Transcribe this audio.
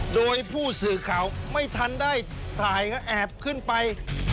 โดยผู้สื่อข่าวไม่ทันได้ถ่ายก็แอบขึ้นไป